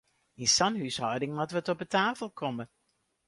Yn sa'n húshâlding moat wat op 'e tafel komme!